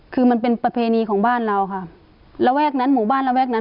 คือมันเป็นประเพณีของบ้านเราค่ะระแวกนั้นหมู่บ้านระแวกนั้น